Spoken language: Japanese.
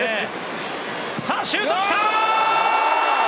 シュート来た！